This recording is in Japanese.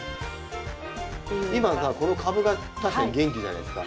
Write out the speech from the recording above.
今さこの株が確かに元気じゃないですか。